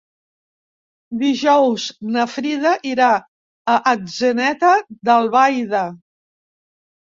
Dijous na Frida irà a Atzeneta d'Albaida.